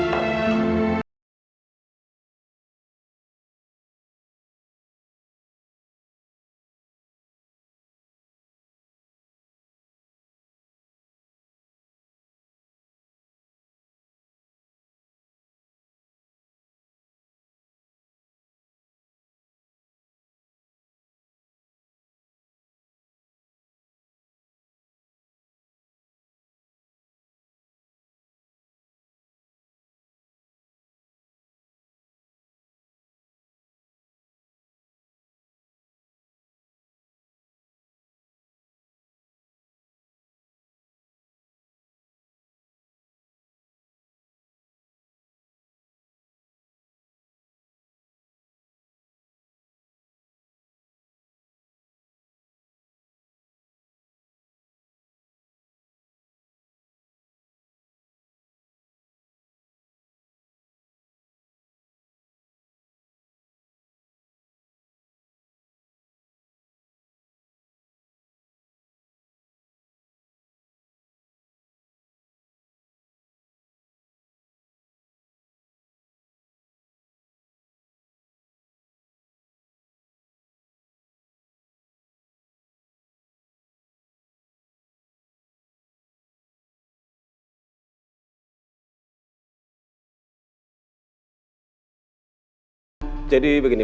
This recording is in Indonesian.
kita akan menemukan jalan bersama